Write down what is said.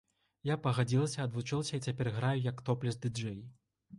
Я пагадзілася, адвучылася, і цяпер граю як топлес-дыджэй.